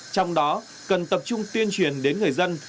trong đó cần tập trung tuyên truyền đến người dân